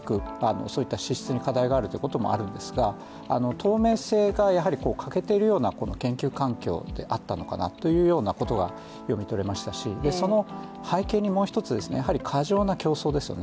そういった資質に課題があるということもあるんですが、透明性が欠けているような研究環境であったのかなということが読み取れましたし、その背景にもう一つ、過剰な競争ですよね。